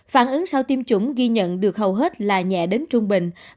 phản ứng sau tiêm chủng ghi nhận được hầu hết là nhẹ đến trung bình